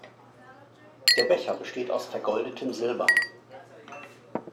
Der Becher besteht aus vergoldetem Silber.